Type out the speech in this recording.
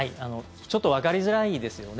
ちょっとわかりづらいですよね。